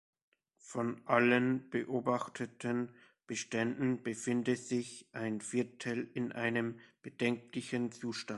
Von allen beobachteten Beständen befinde sich ein Viertel in einem bedenklichen Zustand.